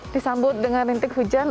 disambut dengan rintik hujan